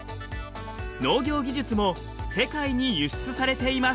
農業技術も世界に輸出されています。